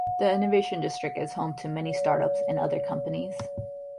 The Innovation District is home to many start-ups, and other companies.